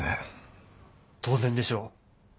当然でしょう。